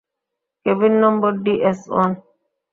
Cabin নম্বর DS-one.